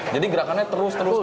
jadi gerakannya terus terus terus